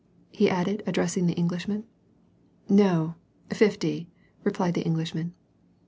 he added, addressing the Englishman. " No, fifty," replied the Englishman.